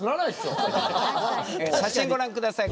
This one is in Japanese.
写真ご覧ください。